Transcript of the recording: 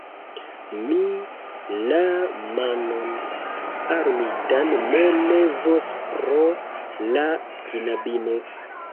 Mi la manon armitan ne levos pro la knabino.